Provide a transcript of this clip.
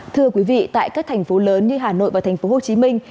thưa quý vị tại các thành phố lớn như hà nội và thành phố hồ chí minh